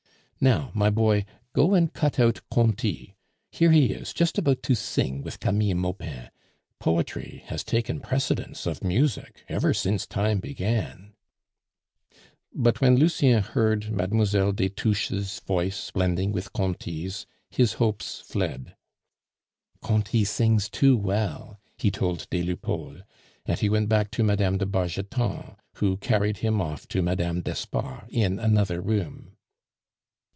Now, my boy, go and cut out Conti. Here he is, just about to sing with Camille Maupin. Poetry has taken precedence of music ever since time began." But when Lucien heard Mlle. des Touches' voice blending with Conti's, his hopes fled. "Conti sings too well," he told des Lupeaulx; and he went back to Mme. de Bargeton, who carried him off to Mme. d'Espard in another room.